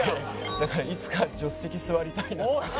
だからいつか助手席座りたいなって。